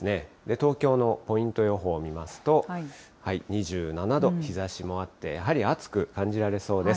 東京のポイント予報見ますと、２７度、日ざしもあって、やはり暑く感じられそうです。